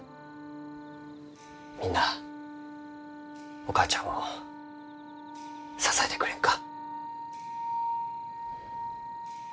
みんなあお母ちゃんを支えてくれんか？